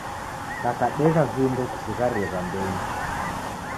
Kakabegha vindo kusigharie wambenyu